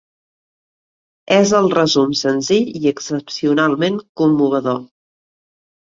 És el resum senzill i excepcionalment commovedor.